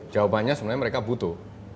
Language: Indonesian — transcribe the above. jawabannya sebenarnya mereka butuh